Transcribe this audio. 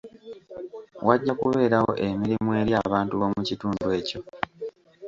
Wajja kubeerawo emirimu eri abantu b'omu kitundu ekyo.